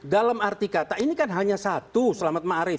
dalam arti kata ini kan hanya satu selamat ma'arif